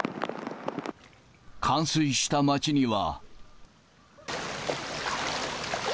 冠水した町には。